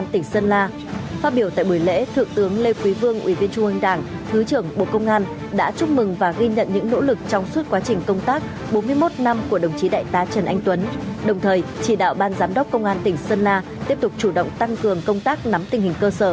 thượng tướng lê quỳ vương ủy viên trung an đảng thứ trưởng bộ công an đã chúc mừng hai đồng chí được bộ công an tin tưởng tính